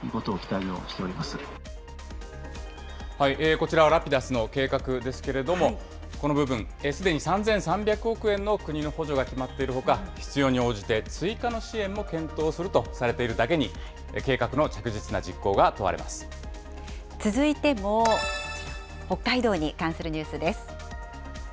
こちらはＲａｐｉｄｕｓの計画ですけれども、この部分、すでに３３００億円の国の補助が決まっているほか、必要に応じて追加の支援も検討するとされているだけに、続いても、北海道に関するニュースです。